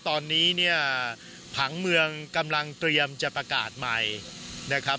ตอนนี้เนี่ยผังเมืองกำลังเตรียมจะประกาศใหม่นะครับ